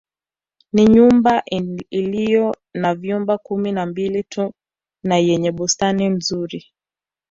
Ni nyumba iliyo na vyumba kumi na Mbili tu na yenye bustani nzuri